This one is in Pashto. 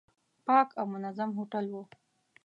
پاک او منظم هوټل و.